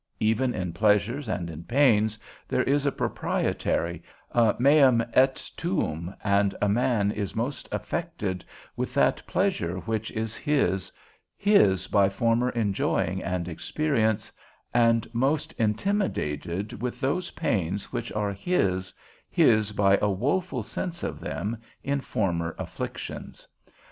Even in pleasures and in pains, there is a proprietary, a meum et tuum, and a man is most affected with that pleasure which is his, his by former enjoying and experience, and most intimidated with those pains which are his, his by a woful sense of them, in former afflictions.